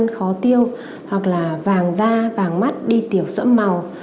có thể có tiêu hoặc là vàng da vàng mắt đi tiểu sỡ màu